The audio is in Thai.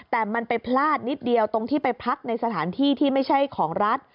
แต่มันไปพลาดนิดเดียวตรงที่ไปพักในสถานที่ที่ไม่ใช่ของรัฐ